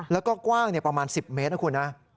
แล้วก็กว้างประมาณ๑๐เมตรนะคุณนะ